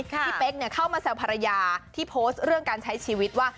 พี่เป๊กเข้ามาแซวภรรยาที่โพสต์เรื่องการใช้ชีวิตว่า